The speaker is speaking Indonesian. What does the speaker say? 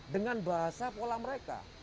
dengan bahasa pola mereka